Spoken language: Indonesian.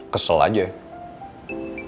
kesel aja ya